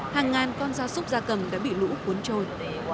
hàng ngàn con da súc da cầm đã bị lũ cuốn trôi